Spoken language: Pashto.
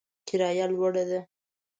کرایه لوړه ده